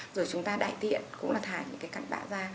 rồi chúng ta đại tiện cũng là thải những cặn bã da